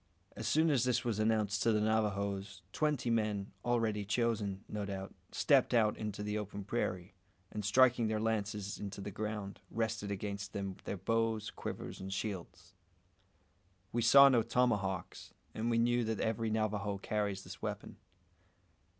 As soon as this was announced to the Navajoes, twenty men already chosen, no doubt stepped out into the open prairie, and striking their lances into the ground, rested against them their bows, quivers, and shields. We saw no tomahawks, and we knew that every Navajo carries this weapon.